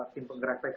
tim penggerak pkk